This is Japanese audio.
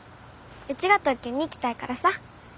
うちが東京に行きたいからさ。